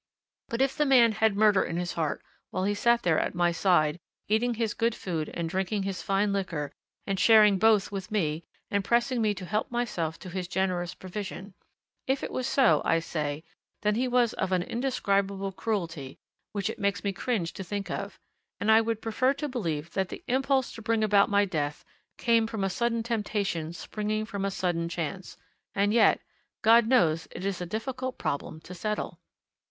But if the man had murder in his heart, while he sat there at my side, eating his good food and drinking his fine liquor, and sharing both with me and pressing me to help myself to his generous provision if it was so, I say, then he was of an indescribable cruelty which it makes me cringe to think of, and I would prefer to believe that the impulse to bring about my death came from a sudden temptation springing from a sudden chance. And yet God knows it is a difficult problem to settle!